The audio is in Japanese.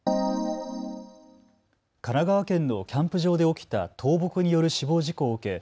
神奈川県のキャンプ場で起きた倒木による死亡事故を受け